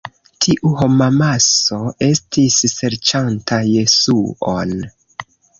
Tiu homamaso estis serĉanta Jesuon.